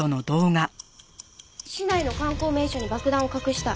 「市内の観光名所に爆弾を隠した」